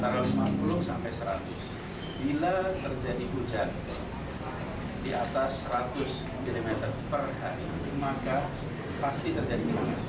karena memang kapasitasnya terbatas sampai seratus